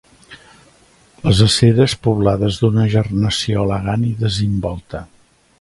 Les aceres poblades d'una gernació elegant i desin volta